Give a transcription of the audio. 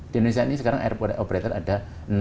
di indonesia ini sekarang air operator ada enam puluh dua